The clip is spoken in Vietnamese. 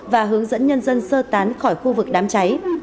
và hướng dẫn nhân dân sơ tán khỏi khu vực đám cháy